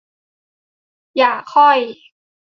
อย่าค่อย